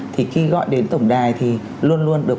thì khi gọi đến tổng đài thì luôn luôn được